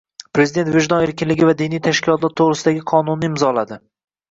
Prezident «Vijdon erkinligi va diniy tashkilotlar to‘g‘risida»gi qonunni imzoladi